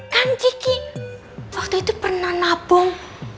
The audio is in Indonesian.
kan kiki waktu itu pernah nabung